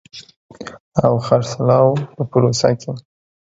او خرڅلاو په پروسه کې